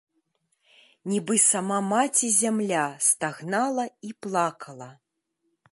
Нібы сама маці зямля стагнала і плакала.